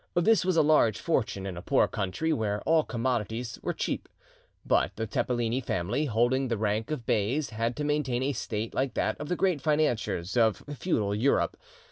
This was a large fortune in a poor country, where, all commodities were cheap. But the Tepeleni family, holding the rank of beys, had to maintain a state like that of the great financiers of feudal Europe.